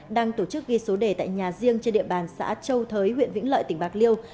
đang tổ chức ghi số đề tại nhà riêng trên địa bàn xã châu thới huyện vĩnh lợi tỉnh bạc liêu